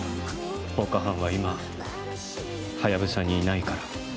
放火犯は今ハヤブサにいないから。